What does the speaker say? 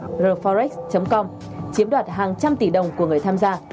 theforex com chiếm đoạt hàng trăm tỷ đồng của người tham gia